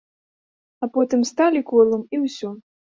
А потым сталі колам і ўсё.